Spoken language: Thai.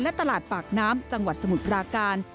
และตลาดปากน้ำจังหวัดสมุทรปราการ